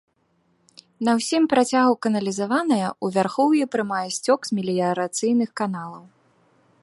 На ўсім працягу каналізаваная, у вярхоўі прымае сцёк з меліярацыйных каналаў.